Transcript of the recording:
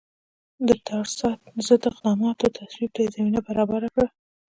د ټراست ضد اقداماتو تصویب ته یې زمینه برابره کړه.